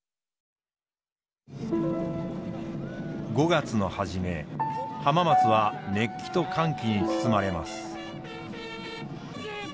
５月の初め浜松は熱気と歓喜に包まれます。